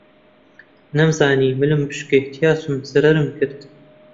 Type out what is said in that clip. نەمزانی ملم بشکێ تیا چووم زەرەرم کرد